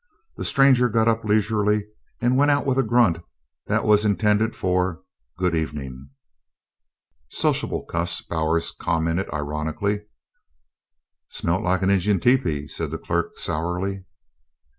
The stranger got up leisurely and went out with a grunt that was intended for "good evening." "Sociable cuss," Bowers commented ironically. "Smelt like an Injun tepee," said the clerk, sourly.